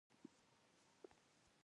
بحث دوو سطحو ته انتقال کېږي.